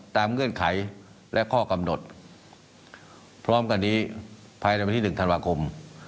เงื่อนไขและข้อกำหนดพร้อมกันนี้ภายในวันที่๑ธันวาคม